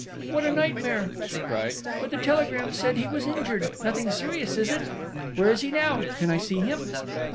"What a nightmare!" she cried. "But the telegram said he was injured nothing serious, is it?... Where is he now? Can I see him?"